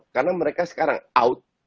karena mereka sekarang out